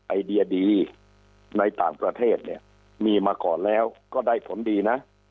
ไอเดียดีในต่างประเทศเนี่ยมีมาก่อนแล้วก็ได้ผลดีนะ